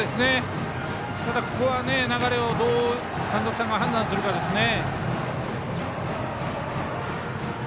ただ、ここは流れをどう監督さんが判断するかですね。